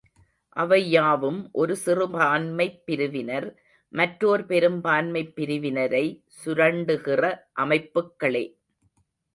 அவையாவும் ஒரு சிறுபான்மைப் பிரிவினர், மற்றோர் பெரும்பான்மைப் பிரிவினரை சுரண்டுகிற அமைப்புக்களே.